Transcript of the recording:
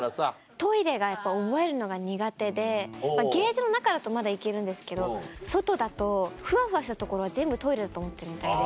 トイレがやっぱ覚えるのが苦手でケージの中だとまだ行けるんですけど外だとフワフワしたところは全部トイレだと思ってるみたいで。